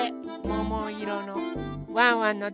ももいろの。